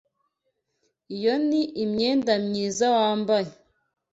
Iyo ni imyenda myiza wambaye.